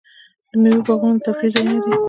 د میوو باغونه د تفریح ځایونه دي.